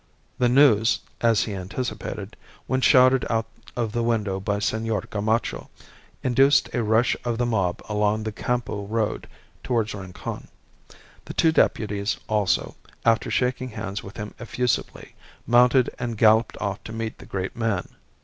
This news (as he anticipated), when shouted out of the window by Senor Gamacho, induced a rush of the mob along the Campo Road towards Rincon. The two deputies also, after shaking hands with him effusively, mounted and galloped off to meet the great man.